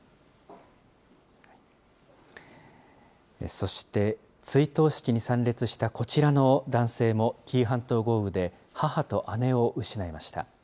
そして、追悼式に参列したこちらの男性も、紀伊半島豪雨で母と姉を失いました。